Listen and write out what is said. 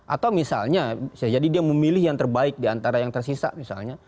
atau misalnya bisa jadi dia memilih yang terbaik diantara yang tersisa misalnya